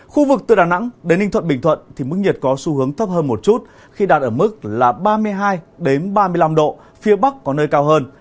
khu vực từ đà nẵng đến ninh thuận bình thuận thì mức nhiệt có xu hướng thấp hơn một chút khi đạt ở mức ba mươi hai ba mươi năm độ phía bắc có nơi cao hơn